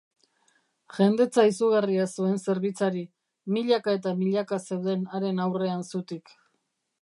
Jendetza izugarria zuen zerbitzari, milaka eta milaka zeuden haren aurrean zutik.